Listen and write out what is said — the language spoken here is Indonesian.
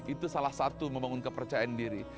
itu salah satu membangun kepercayaan diri